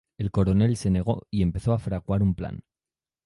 El coronel se negó y empezó a fraguar un plan.